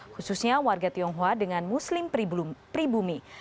khususnya warga tionghoa dengan muslim pribumi